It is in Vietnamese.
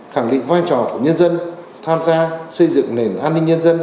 khẳng định vai trò của nhân dân tham gia xây dựng nền an ninh nhân dân